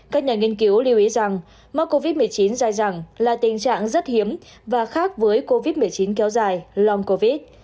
các nhà nghiên cứu lưu ý rằng mắc covid một mươi chín dài dẳng là tình trạng rất hiếm và khác với covid một mươi chín kéo dài lom covid